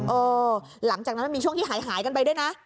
เออหลังจากนั้นมีช่วงที่หายหายกันไปด้วยนะ